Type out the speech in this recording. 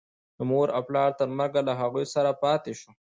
د مور و پلار تر مرګه له هغو سره پاتې شو.